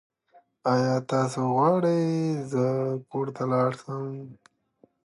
سیاسي مشارکت د ځوان نسل د مسؤلیت او راتلونکي ژمنتیا لپاره مهم دی